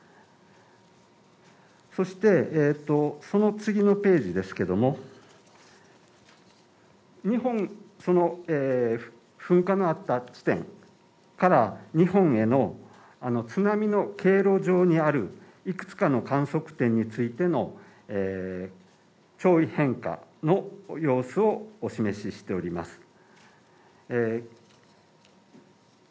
そしてその次のページですけども日本噴火のあった地点から日本への津波の経路上にあるいくつかの観測点についての潮位変化の様子をお示ししております